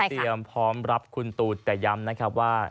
เตรียมพร้อมรับคุณตูนแต่ย้ำนะครับว่า